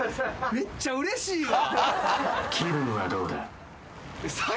めっちゃうれしいわ。